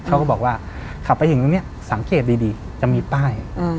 เขาก็บอกว่าขับไปถึงตรงนี้สังเกตดีจะมีป้าย